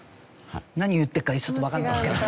何言ってるかちょっとわかんないですけど。